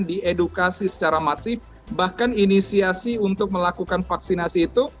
diedukasi secara masif bahkan inisiasi untuk melakukan vaksinasi itu